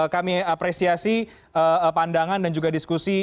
kami apresiasi pandangan dan juga diskusi